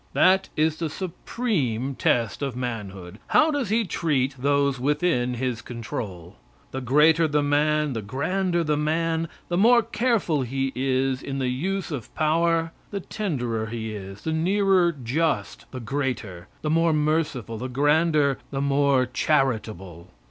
That is the supreme test of manhood. How does he treat those within his control? The greater the man, the grander the man, the more careful he is in the use of power the tenderer he is, the nearer just, the greater, the more merciful, the grander, the more charitable.